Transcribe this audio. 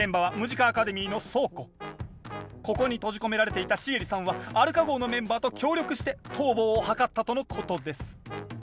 現場はここに閉じ込められていたシエリさんはアルカ号のメンバーと協力して逃亡を図ったとのことです。